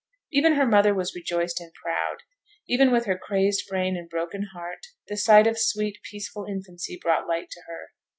Even her mother was rejoiced and proud; even with her crazed brain and broken heart, the sight of sweet, peaceful infancy brought light to her.